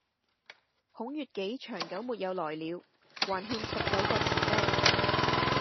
孔乙己長久沒有來了。還欠十九個錢呢